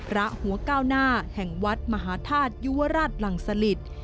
ระหัวก้าวหน้าแห่งวัดมหาธาตุยุวราชหลังสลิต